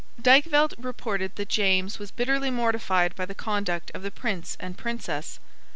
Dykvelt reported that James was bitterly mortified by the conduct of the Prince and Princess.